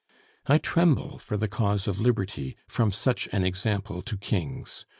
I tremble for the cause of liberty, from such an example to kings.